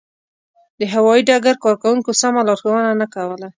د هوایي ډګر کارکوونکو سمه لارښوونه نه کوله.